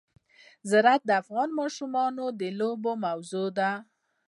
زراعت د افغان ماشومانو د لوبو موضوع ده.